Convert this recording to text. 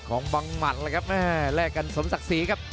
ของบังหมัดเลยครับแม่แลกกันสมศักดิ์ศรีครับ